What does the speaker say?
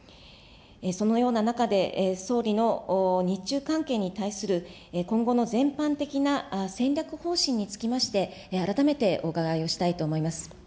そのような中で、総理の日中関係に対する今後の全般的な戦略方針につきまして、改めてお伺いをしたいと思います。